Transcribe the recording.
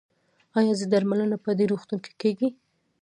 ایا زما درملنه په دې روغتون کې کیږي؟